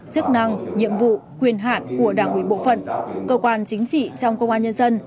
chức năng nhiệm vụ quyền hạn của đảng ủy bộ phận cơ quan chính trị trong công an nhân dân